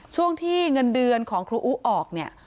ช่วงที่เงินเดือนของครูอู๋ออกเนี่ย